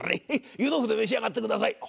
湯豆腐で召し上がってください。